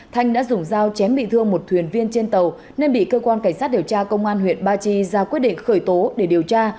thanh đã dùng dao chém bị thương một thuyền viên trên tàu nên bị cơ quan cảnh sát điều tra công an huyện ba chi ra quyết định khởi tố để điều tra